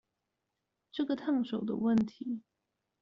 這個燙手的問題